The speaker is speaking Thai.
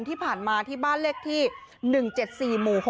ที่ผ่านมาที่บ้านเลขที่๑๗๔หมู่๖